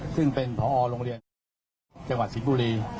ซึ่งเป็นผอโรงเรียนจังหวัดสิงห์บุรี